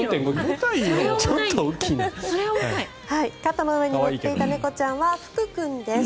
肩に乗っていた猫ちゃんはふく君です。